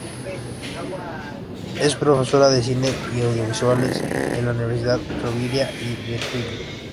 Es profesora de cine y audiovisuales en la Universidad Rovira i Virgili.